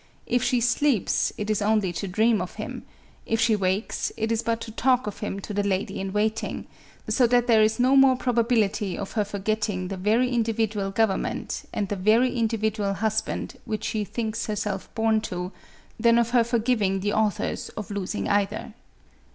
If she slee|)s, it is only to dream of him ; if she wakes, it is but to talk of him to the lady in waiting; so that there is no more probability of her forgetting the very indi vidual government, and the very individual husband which she thinks herself born to, than of her forgiving the authors of losing either."